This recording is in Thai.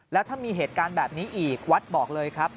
แล้วถ้ามีเหตุการณ์แบบนี้อีกวัดบอกเลยครับ